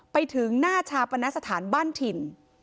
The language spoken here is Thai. ไปถึงหน้าชาปนสถานบ้านถิ่น